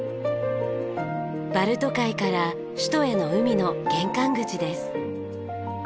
バルト海から首都への海の玄関口です。